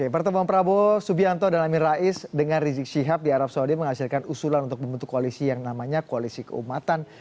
pertemuan prabowo subianto dan amin rais dengan rizik syihab di arab saudi menghasilkan usulan untuk membentuk koalisi yang namanya koalisi keumatan